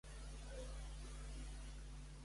La família amb la qual vivia s'estimava la Tecla?